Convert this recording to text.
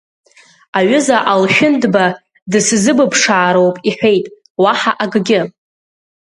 Аҩыза Алшәындба дысзыбыԥшаароуп иҳәеит, уаҳа акгьы.